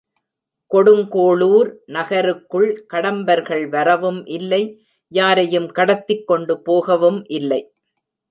கொடுங் கோளுர் நகருக்குள் கடம்பர்கள் வரவும் இல்லை, யாரையும் கடத்திக்கொண்டு போகவும் இல்லை.